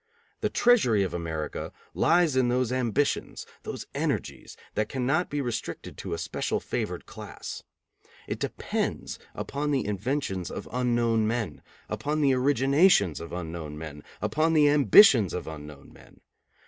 The treasury of America lies in those ambitions, those energies, that cannot be restricted to a special favored class. It depends upon the inventions of unknown men, upon the originations of unknown men, upon the ambitions of unknown men.